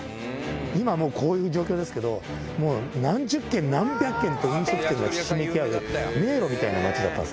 今、もうこういう状況ですけど、もう何十軒、何百軒と、飲食店がひしめき合う、迷路みたいな街だったんです。